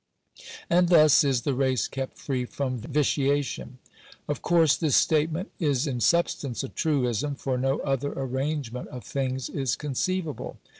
And thus is the race kept free from vitiation. Of course this statement is in substance a truism ; for no other arrangement of thing? is con ceivable.